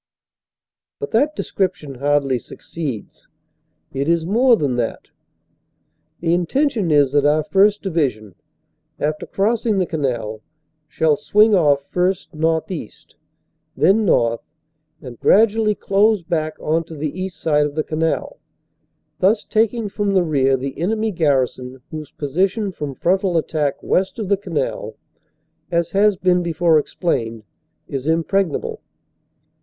But that description hardly succeeds. It is more than that. The intention is that our 1st. Division, after crossing the canal, shall swing off first northeast, then north, and gradually close back on to the east side of the canal, thus taking from the rear the enemy garrison whose position from frontal attack, west of the canal, as has been before explained, is impregnable.